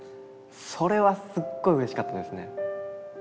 それはすっごいうれしかったですね。